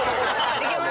いけます。